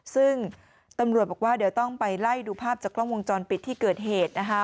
ซึ่งตำรวจบอกว่าเดี๋ยวต้องไปไล่ดูภาพจากกล้องวงจรปิดที่เกิดเหตุนะคะ